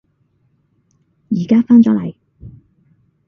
而家返咗嚟